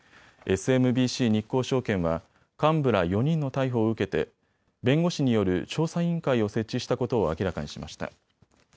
ＳＭＢＣ日興証券は幹部ら４人の逮捕を受けて弁護士による調査委員会を設置したことを明らかにしました。